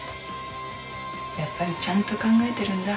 やっぱりちゃんと考えてるんだ。